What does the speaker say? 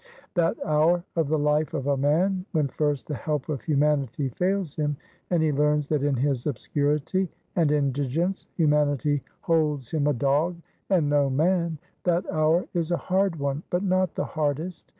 That hour of the life of a man when first the help of humanity fails him, and he learns that in his obscurity and indigence humanity holds him a dog and no man: that hour is a hard one, but not the hardest.